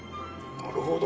なるほど。